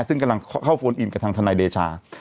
ซึ่งกำลังเข้าโฟนอินกับทางทนายเดชา